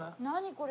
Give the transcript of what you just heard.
これ。